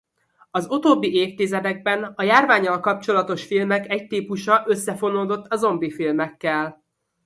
Az utóbbi évtizedekben a járvánnyal kapcsolatos filmek egy típusa összefonódott a zombi filmekkel.